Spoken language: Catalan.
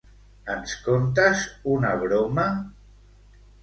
Ens contes una broma?